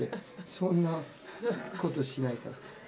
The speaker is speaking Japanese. そんなことしないから。